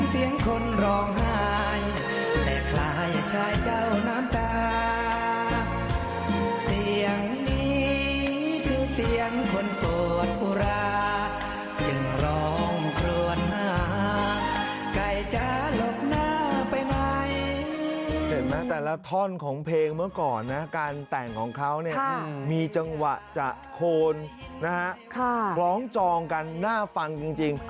เห็นไหมแต่ละท่อนของเพลงเมื่อก่อนนะการแต่งของเขาเนี่ยมีจังหวะจะโคนนะฮะคล้องจองกันน่าฟังจริง